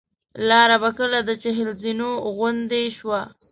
لاره به کله د چهل زینو غوندې شوه.